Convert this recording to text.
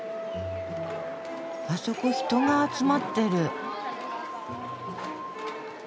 あそこ人が集まってる。